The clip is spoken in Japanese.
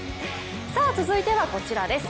続いてはこちらです。